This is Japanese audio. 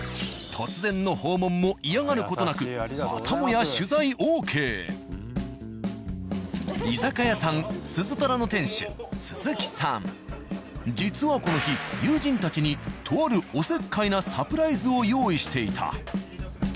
突然の訪問も嫌がる事なくまたもや居酒屋さん「鈴虎」の実はこの日友人たちにとあるおせっかいなサプライズを用意していた。